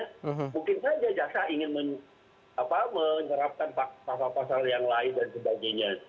mungkin saja jaksa ingin menyerapkan fakta fakta yang lain dan sebagainya